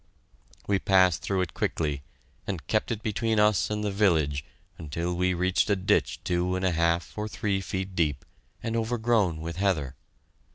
We passed through it quickly, and kept it between us and the village until we reached a ditch two and a half or three feet deep and overgrown with heather.